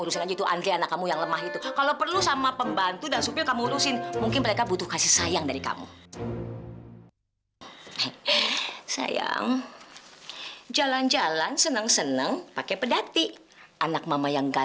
sampai jumpa di video selanjutnya